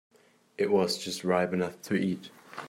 It was just ripe enough to eat.